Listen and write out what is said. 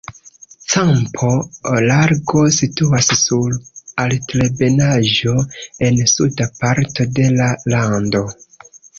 Campo Largo situas sur altebenaĵo en suda parto de la lando.